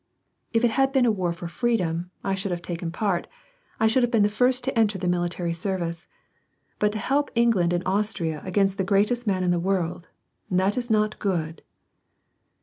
If it had been a war for freedom, I should have taken part, I should WAR AND PEACE. 27 hsLve been the first to enter the military service ; but to help England and Austria against the greatest man in the world, that is not good.'